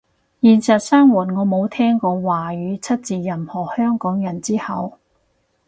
現實生活我冇聽過華語出自任何香港人之口